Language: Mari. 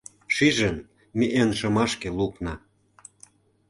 Шижын, ме эн шымашке лукна.